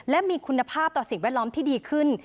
และมีคุณภาพต่อสิ่งแวดล้อมที่ดีขึ้น